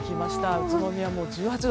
宇都宮は１８度。